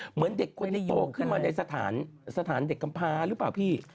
เหมือนเด็กคนนี้โตขึ้นมาในสถานเด็กกำพาหรือเปล่าพี่